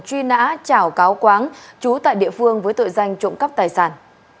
truy nã chảo cáo quáng trú tại địa phương với tội danh trộm cắp tài sản